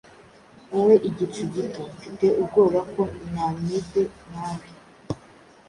Wowe, Igicu gito? Mfite ubwoba ko ntameze nkawe,